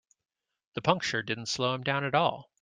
The puncture didn't slow him down at all.